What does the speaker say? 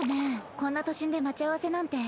こんな都心で待ち合わせなんて。